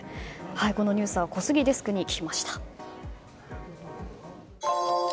このニュースは小杉デスクに聞きました。